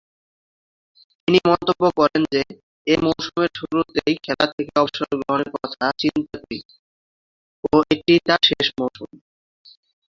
তিনি মন্তব্য করেন যে, এ মৌসুমের শুরুতেই খেলা থেকে অবসর গ্রহণের কথা চিন্তা করি ও এটিই তার শেষ মৌসুম।